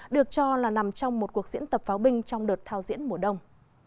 được cho là nằm trong một cuộc diễn tập pháo binh trong đợt thao diễn mùa đông